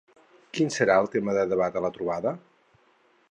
Quin serà el tema de debat a la trobada?